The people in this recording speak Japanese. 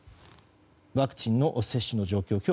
ワクチンの接種状況。